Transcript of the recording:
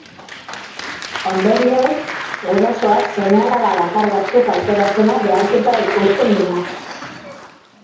Ondorioz, gurasoak seme-alaba bakar batzuk aukeratzera behartuta ikusten dira.